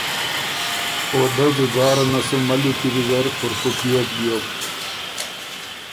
او دۀ ځُځاره نه سُو ملّی کی ویزر پُرکټيېک بیوک